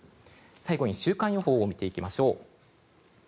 最後に週間予報を見ていきましょう。